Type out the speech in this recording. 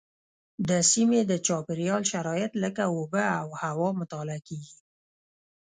د سیمې د چاپیریال شرایط لکه اوبه او هوا مطالعه کېږي.